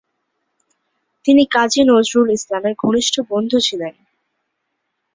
তিনি কাজী নজরুল ইসলামের ঘনিষ্ঠ বন্ধু ছিলেন।